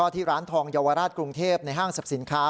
ที่ร้านทองเยาวราชกรุงเทพในห้างสรรพสินค้า